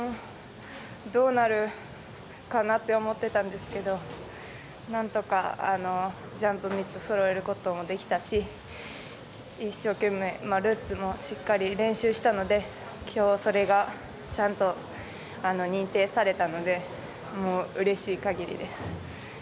どうなるかなって思ってたんですけどなんとかジャンプ３つそろえることもできたし一生懸命、ルッツもしっかり練習したのできょう、それがちゃんと認定されたのでもううれしい限りです。